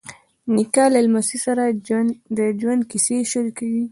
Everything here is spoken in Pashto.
نیکه له لمسي سره د ژوند کیسې شریکوي.